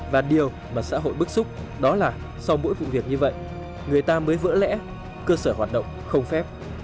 và điều mà xã hội bức xúc đó là sau mỗi vụ việc như vậy người ta mới vỡ lẽ cơ sở hoạt động không phép